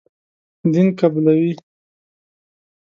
دین قبولوي.